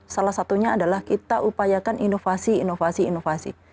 salah satunya adalah kita upayakan inovasi inovasi inovasi